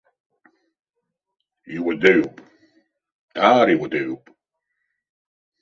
Иуадаҩуп, даара иуадаҩуп.